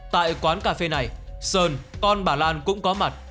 tại quán cà phê này sơn con bà lan cũng có mặt